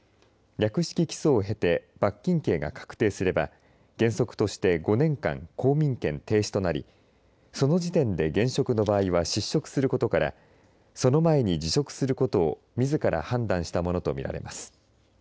略式起訴を経て罰金刑が確定すれば原則として５年間公民権停止となりその時点で現職の場合は失職することからその前に辞職することをみずから判断したものと見られます。